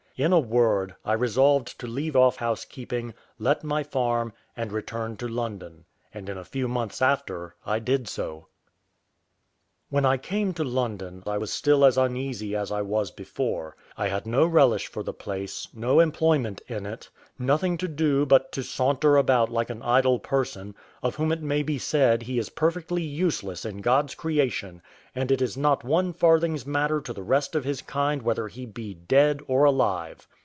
In a word, I resolved to leave off housekeeping, let my farm, and return to London; and in a few months after I did so. When I came to London, I was still as uneasy as I was before; I had no relish for the place, no employment in it, nothing to do but to saunter about like an idle person, of whom it may be said he is perfectly useless in God's creation, and it is not one farthing's matter to the rest of his kind whether he be dead or alive.